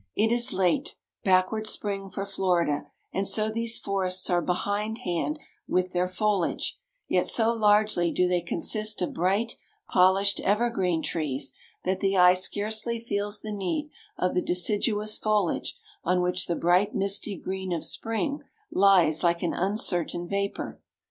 It is a late, backward spring for Florida; and so these forests are behindhand with their foliage: yet so largely do they consist of bright polished evergreen trees, that the eye scarcely feels the need of the deciduous foliage on which the bright misty green of spring lies like an uncertain vapor.